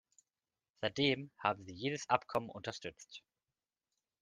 Seitdem haben sie jedes Abkommen unterstützt.